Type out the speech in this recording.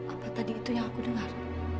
apa tadi itu yang aku dengar